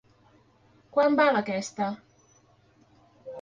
Quant val aquesta.?